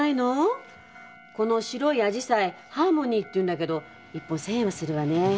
この白いアジサイハーモニーっていうんだけど１本１０００円はするわね。